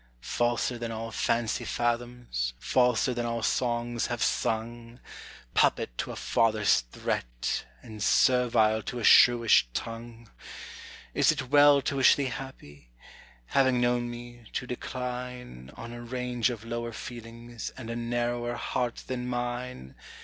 Falser than all fancy fathoms, falser than all songs have sung, Puppet to a father's threat, and servile to a shrewish tongue! Is it well to wish thee happy? having known me; to decline On a range of lower feelings and a narrower heart than mine!